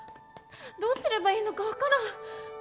どうすればいいのか分からん！